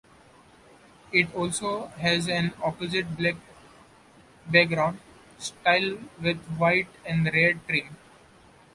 It also has an opposite black background style with white and red trim.